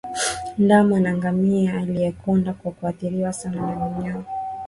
Ndama wa ngamia aliyekonda kwa kuathiriwa sana na minyooo